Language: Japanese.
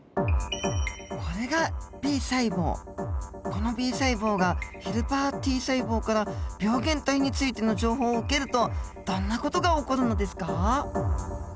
このＢ細胞がヘルパーＴ細胞から病原体についての情報を受けるとどんな事が起こるのですか？